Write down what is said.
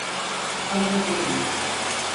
Hazır değiliz.